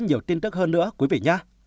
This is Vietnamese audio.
nhiều tin tức hơn nữa quý vị nha